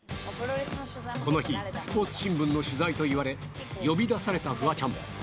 この日、スポーツ新聞の取材と言われ、呼び出されたフワちゃん。